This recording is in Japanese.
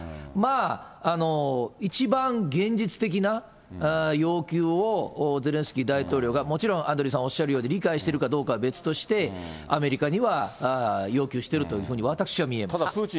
まあ一番現実的な要求をゼレンスキー大統領が、もちろんアンドリーさんおっしゃるように、理解してるかどうかは別として、アメリカには要求してるというふうに、私は見えます。